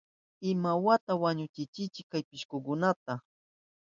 ¿Imawata wañuchinkichi chay pishkukunata?